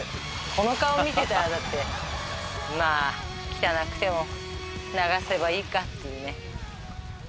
この顔見てたらだって汚くても流せばいいかっていうね。